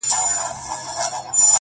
اې د مځكى پر مخ سيورې د يزدانه!!